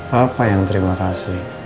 apa yang terima kasih